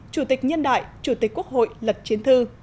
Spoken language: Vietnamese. chủ tịch nhân đại chủ tịch quốc hội lật chiến thư